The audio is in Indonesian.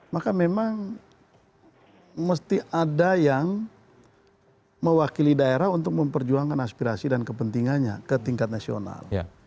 maka memang mesti ada yang mewakili daerah untuk memperjuangkan aspirasi dan kepentingannya ke tingkat nasional